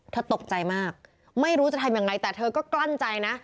ตกใจมากไม่รู้จะทำยังไงแต่เธอก็กลั้นใจนะ